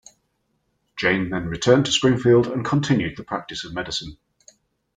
Jayne then returned to Springfield and continued the practice of medicine.